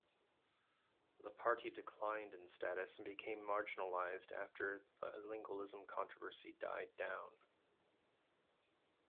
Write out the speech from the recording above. The party declined in status, and became marginalized after the bilingualism controversy died down.